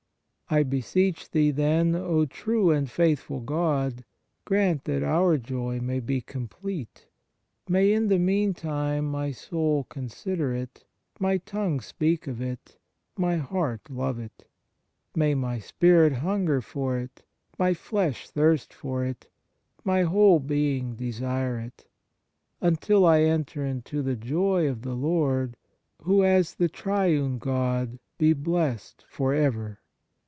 I beseech Thee, then, O true and faithful God, grant that our joy may be complete. May in the meantime my soul consider it, my tongue speak of it, my heart love it. May my spirit hunger for it, my flesh thirst for it, my whole being desire it, until I enter into the joy of the Lord, who as the Triune God be blessed for ever."